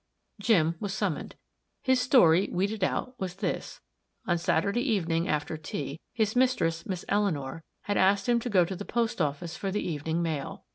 Jim was summoned. His story, weeded out, was this: On Saturday evening, after tea, his mistress, Miss Eleanor, had asked him to go to the post office for the evening mail.